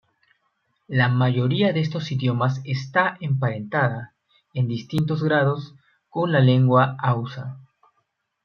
La mayoría de estos idiomas está emparentada, en distintos grados, con la lengua hausa.